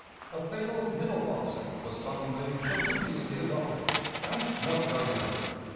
A fatal middle policy was suddenly but dubiously adopted, and not carried out.